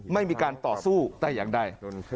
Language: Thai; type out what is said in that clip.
ไม่มีการต่อสู้แต่อย่างใด